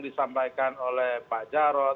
disampaikan oleh pak jarod